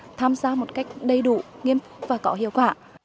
để tham gia một cách đầy đủ nghiêm phục và có hiệu quả